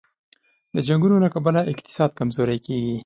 د جنګونو له کبله اقتصاد کمزوری کېږي.